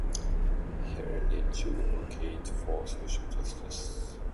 Heinrich advocates for social justice.